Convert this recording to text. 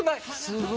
すごい。